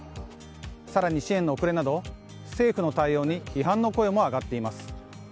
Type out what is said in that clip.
更に支援の遅れなど政府の対応に批判の声も上がっています。